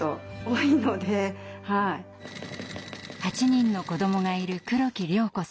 ８人の子どもがいる黒木良子さん。